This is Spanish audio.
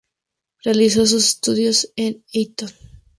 Realizó sus estudios en Eton.